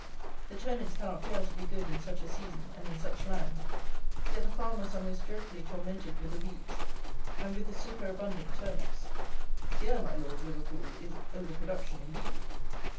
The turnips cannot fail to be good in such a season and in such land; yet the farmers are most dreadfully tormented with the weeds, and with the superabundant turnips. Here, my Lord Liverpool, is over production indeed!